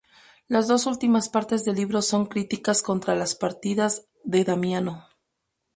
Las dos últimas partes del libro son críticas contra las partidas de Damiano.